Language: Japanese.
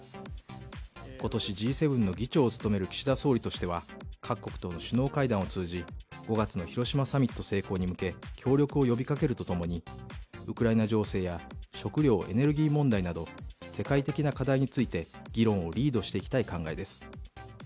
今年Ｇ７の議長を務める岸田総理としては各国との首脳会談を通じ５月の広島サミット成功に向け協力を呼びかけるとともにウクライナ情勢や食料・エネルギー問題など世界的な課題について議論をリードしていきたい考えです。